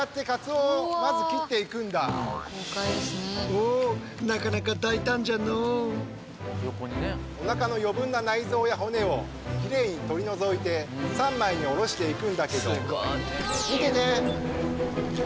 そんな最高級のかつお節おなかの余分な内臓や骨をきれいに取り除いて３枚におろしていくんだけど見てて！